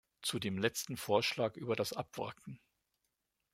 Zu dem letzten Vorschlag über das Abwracken.